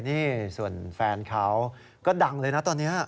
นี่ส่วนแฟนเขาก็ดังเลยนะตอนนี้